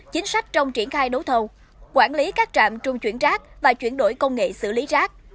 chính sách trong triển khai đấu thầu quản lý các trạm trung chuyển rác và chuyển đổi công nghệ xử lý rác